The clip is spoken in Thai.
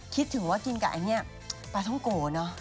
คิดถึงว่ากินกับไอ้เนี่ยปลาท่องโกเนอะ